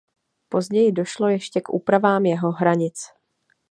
Později došlo ještě k úpravám jeho hranic.